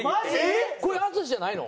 これ淳じゃないの？